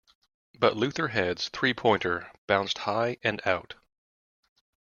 But Luther Head's three pointer bounced high and out.